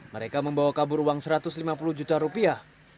mereka membawa kabur uang satu ratus lima puluh juta rupiah